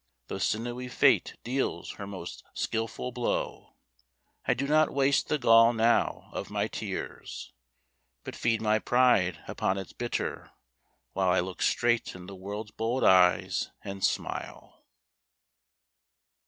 Though sinewy Fate deals her most skillful blow, I do not waste the gall now of my tears, But feed my pride upon its bitter, while I look straight in the world's bold eyes, and smile.